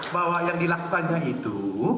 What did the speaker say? bahwa yang dilakukannya itu